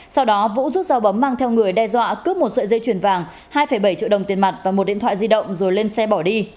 sau đó vũ rút dao bấm mang theo người đe dọa cướp một sợi dây chuyền vàng hai bảy triệu đồng tiền mặt và một điện thoại di động rồi lên xe bỏ đi